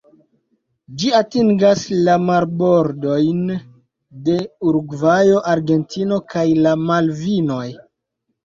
Ĝi atingas la marbordojn de Urugvajo, Argentino kaj la Malvinoj.